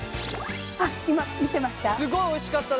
あっ今見てました。